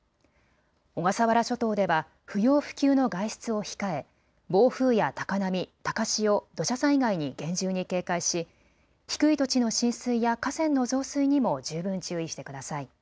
小笠原諸島では不要不急の外出を控え暴風や高波、高潮、土砂災害に厳重に警戒し低い土地の浸水や河川の増水にも十分注意してください。